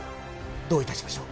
どういたしましょう？